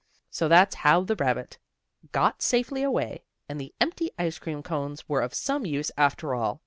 So that's how the rabbit got safely away, and the empty ice cream cones were of some use after all.